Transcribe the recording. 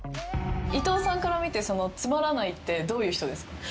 伊藤さんから見てつまらないってどういう人ですか？